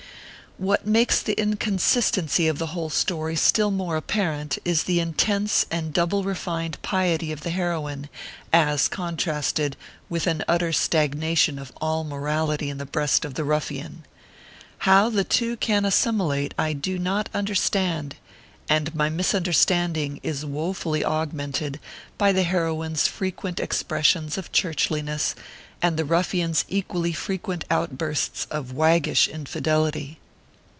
What makes the inconsistency of the whole story still more apparent, is the intense and double refined piety of the heroine, as contrasted with an utter stag nation of all morality in the breast of the ruffian. How the two can assimilate, I do not understand ; 6 66 ORPHEUS C. KERR PAPERS. and my misunderstanding is wofully augmented by the heroine s frequent expressions of churchliness, and the ruffian s equally frequent outbursts of waggish infidelity.